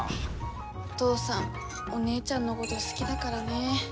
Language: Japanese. お父さんお姉ちゃんのごど好きだからね。